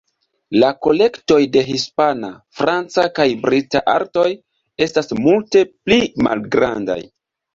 La kolektoj de hispana, franca kaj brita artoj estas multe pli malgranda.